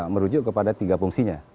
merujuk kepada tiga fungsinya